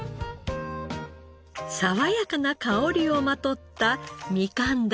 爽やかな香りをまとったみかん鯛の腹身。